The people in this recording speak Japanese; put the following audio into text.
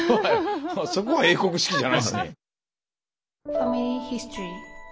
そこは英国式じゃないですね。